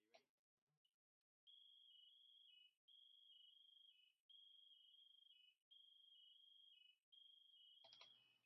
He was buried in Cairo with full military honors.